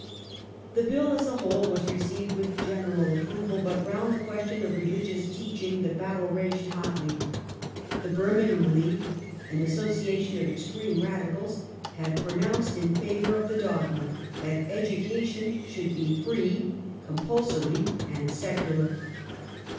The Bill as a whole was received with general approval ; but The re round the question of religious teaching the battle raged hotly, difficuhy The Birmingham League — an association of extreme Radicals — had pronounced in favour of the dogma that education should be free, compulsory, and secular.